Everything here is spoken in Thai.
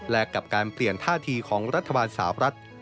และกับการเปลี่ยนท่าทีของรัฐบาลสาวรัฐ